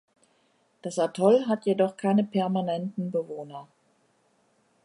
Das Atoll hat jedoch keine permanenten Bewohner.